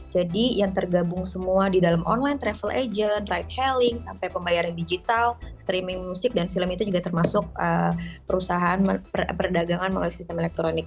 jadi yang tergabung semua di dalam online travel agent ride hailing sampai pembayaran digital streaming musik dan film itu juga termasuk perusahaan perdagangan melalui sistem elektronik